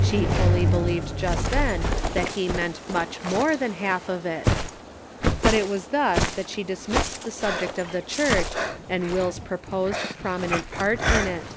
She fully believed just then that he meant much more than half of it. But it was thus that she dismissed the subject of the Church and "Will's proposed prominent part in it.